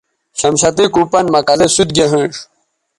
شمشتئ کو پن مہ کزے سوت گے ھوینݜ